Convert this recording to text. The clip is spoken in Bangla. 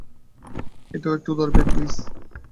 এটাও একটু ধরবে, প্লিজ?